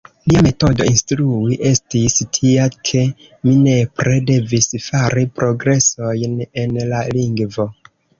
Lia metodo instrui estis tia, ke mi nepre devis fari progresojn en la lingvo.